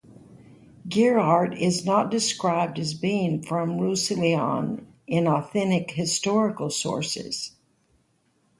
Girart is not described as being from Roussillon in authentic historical sources.